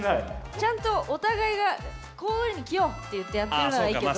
ちゃんとお互いがこういうふうに着ようってやってるならいいけど。